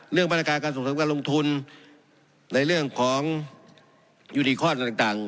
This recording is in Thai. เรื่องบรรยากาศการส่งเสริมการลงทุนในเรื่องของยูนิคอลต่าง